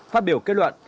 phát biểu kết luận